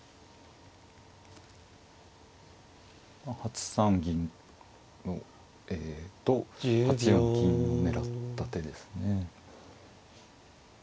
まあ８三銀とえと８四金を狙った手ですね。